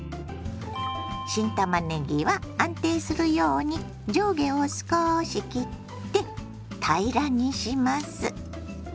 新たまねぎは安定するように上下を少し切って平らにします。